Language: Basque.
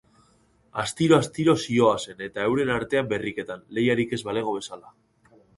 Astiro-astiro zihoazen eta euren artean berriketan, lehiarik ez balego bezala.